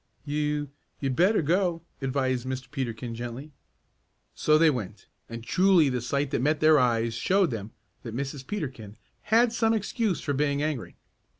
"You you'd better go," advised Mr. Peterkin gently. So they went, and truly the sight that met their eyes showed them that Mrs. Peterkin had some excuse for being angry.